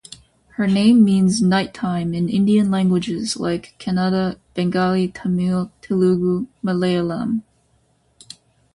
Her name means "nighttime" in Indian languages like Kannada, Bengali, Tamil, Telugu, Malayalam.